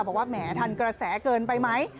บอกว่าแหมทันกระแสเกินไปไหม